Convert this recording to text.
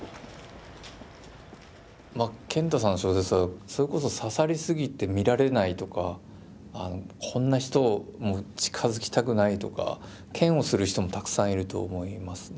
まあ賢太さんの小説はそれこそ刺さりすぎて見られないとかこんな人もう近づきたくないとか嫌悪する人もたくさんいると思いますね。